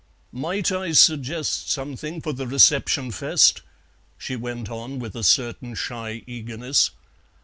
"Might I suggest something for the Reception Fest?" she went on, with a certain shy eagerness.